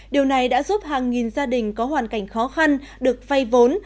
điều này đã giúp hàng nghìn gia đình có hoàn cảnh khó khăn được vay vốn